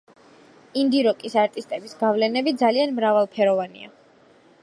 ინდი-როკის არტისტების გავლენები ძალიან მრავალფეროვანია.